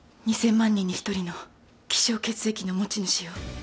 ２、０００万人に１人の希少血液の持ち主よ。